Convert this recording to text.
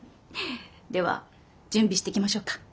では準備していきましょうか。